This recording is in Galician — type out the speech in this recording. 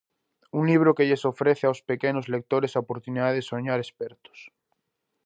Un libro que lles ofrece aos pequenos lectores a oportunidade de soñar espertos...